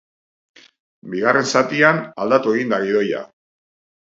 Bigarren zatian, aldatu egin da gidoia.